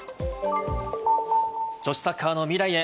女子サッカーの未来へ。